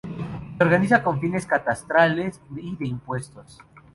Se organiza con fines catastrales y de impuestos.